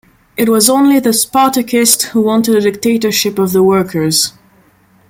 It was only the Spartacists who wanted a dictatorship of the workers.